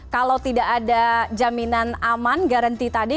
kalau tidak ada jaminan aman garanti tadi